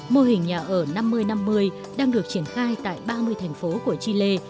mô hình nhà ở năm mươi năm mươi đang được triển khai tại ba mươi thành phố của chile